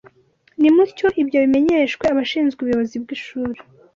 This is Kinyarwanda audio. nimutyo ibyo bimenyeshwe abashinzwe ubuyobozi bw’ishuri